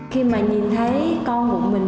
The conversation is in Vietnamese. khi mà nhìn thấy con một mình